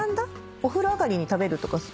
お風呂上がりに食べるとか。